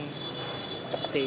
thì em thấy là